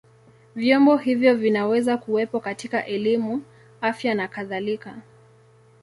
Vyombo hivyo vinaweza kuwepo katika elimu, afya na kadhalika.